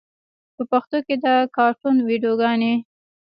په پښتو کې د کاټون ویډیوګانې